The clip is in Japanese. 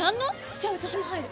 じゃあ私も入る！